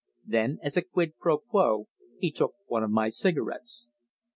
Then, as a quid pro quo, he took one of my cigarettes.